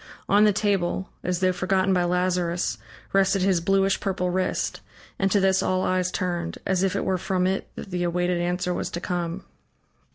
On the table, as though forgotten by Lazarus, rested his bluish purple wrist, and to this all eyes turned, as if it were from it that the awaited answer was to come.